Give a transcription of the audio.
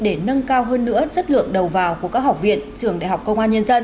cũng đang rất quan tâm tới việc tuyển sinh vào các học viện trường đại học công an nhân dân